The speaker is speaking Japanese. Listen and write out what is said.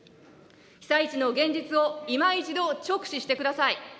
被災地の現実をいま一度、直視してください。